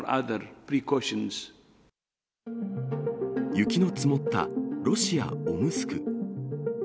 雪の積もったロシア・オムスク。